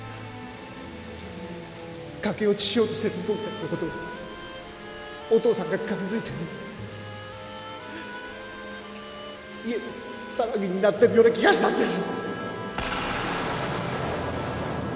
駆け落ちしようとしてる僕たちのことをお父さんが感づいて家が騒ぎになってるような気がしたんです